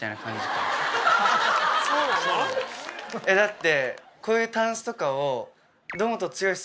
だって。